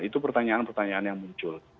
itu pertanyaan pertanyaan yang muncul